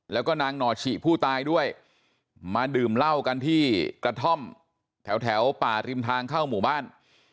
แล้วก็นางหน่อฉิผู้ตายด้วยมาดื่มเหล้ากันที่กระท่อมแถวป่าริมทางเข้าหมู่บ้าน